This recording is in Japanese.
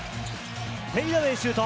フェイダウェイシュート。